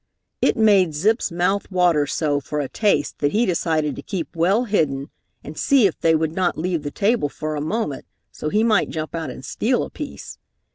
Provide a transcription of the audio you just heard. It made Zip's mouth water so for a taste that he decided to keep well hidden and see if they would not leave the table for a moment so he might jump out and steal a piece.